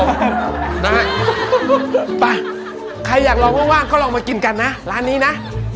ไปนะฮะไปใครอยากลองว่างก็ลองมากินกันนะร้านนี้นะ